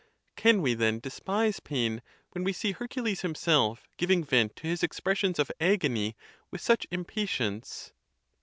Can we, then, despise pain, when we see Hercules himself giving vent to his expressions of agony with such impa tience